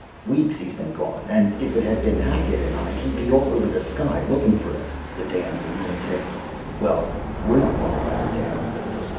"Weeks he's been gone, and if it had been Hackett and I he'd be all over the sky looking for us the damned lunatic. Well, we're not going to let him down."